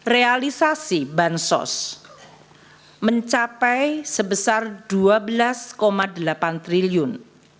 realisasi bansos mencapai sebesar rp dua belas delapan triliun